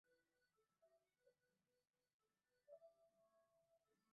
La actuación es muy similar a la del "Hard Candy Promo Tour".